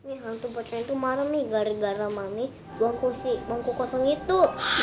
hantu pocong itu marah nih gara gara mami buang kusi mangkuk kosong itu